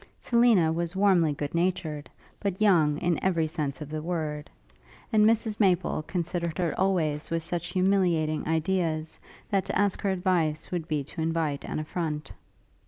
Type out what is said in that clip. Selina was warmly good natured, but young in every sense of the word; and Mrs Maple considered her always with such humiliating ideas, that to ask her advice would be to invite an affront.